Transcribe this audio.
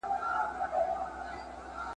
لکه وروڼه یو له بله سره ګران ول `